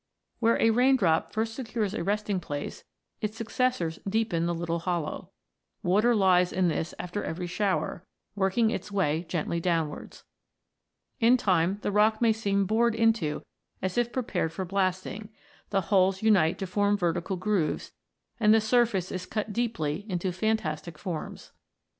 Where a rain drop first secures a resting place, its successors deepen the little hollow. Water lies in this after every shower, working its way gently downwards. In time the rock may seem bored into as if prepared for blasting ; the holes unite to form vertical grooves, and the surface is cut deeply into fantastic forms.